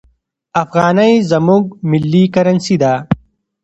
افغانۍ زموږ ملي کرنسي ده.